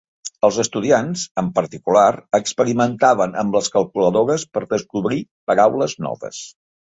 Els estudiants, en particular, experimentaven amb les calculadores per descobrir paraules noves.